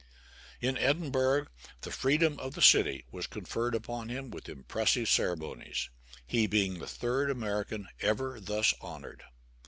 In Edinburgh, the "freedom of the city" was conferred upon him with impressive ceremonies he being the third American ever thus honored.